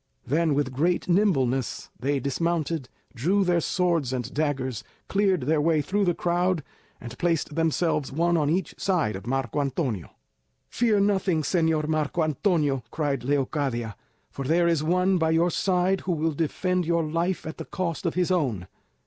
Then, with great nimbleness, they dismounted, drew their swords and daggers, cleared their way through the crowd, and placed themselves one on each side of Marco Antonio. "Fear nothing, Señor Marco Antonio," cried Leocadia, "for there is one by your side who will defend your life at the cost of his own."